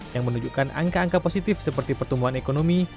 yang menunjukkan angka angka positif seperti pertumbuhan ekonomi